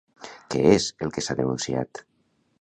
Què és el que s'ha denunciat?